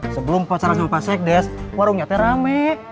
sebelum pacaran sama pak sekdes warungnya rame